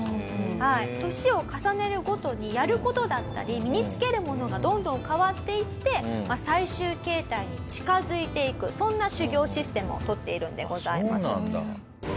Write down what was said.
年を重ねるごとにやる事だったり身につけるものがどんどん変わっていって最終形態に近づいていくそんな修行システムを取っているんでございます。